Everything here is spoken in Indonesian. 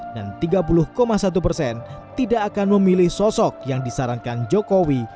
dan tiga puluh satu persen tidak akan memilih sosok yang disarankan jokowi